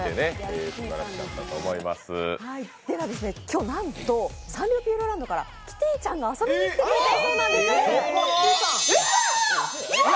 今日なんと、サンリオピューロランドからキティちゃんが遊びに来てくれたそうです。